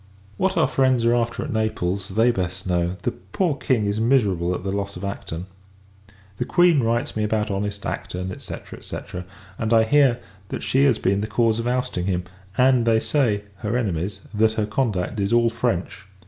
What our friends are after at Naples, they best know. The poor King is miserable at the loss of Acton. The Queen writes me about honest Acton, &c. &c. and I hear, that she has been the cause of ousting him: and they say her enemies that her conduct is all French.